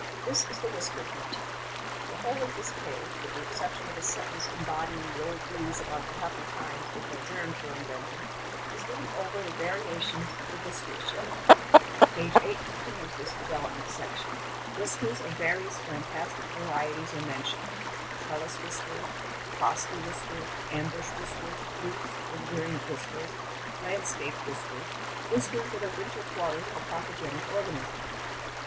This is the whiskers motif. The whole of this page, with the exception of a sentence embodying the old wheeze about the happy times before germs were invented, is given over to variations of the whiskers joke. Page 8 continues this development section. Whiskers of various fantastic varieties are mentioned—trellis whiskers, bosky whiskers, ambush whiskers, loose, luxuriant whiskers, landscaped whiskers, whiskers that are winter quarters for pathogenic organisms.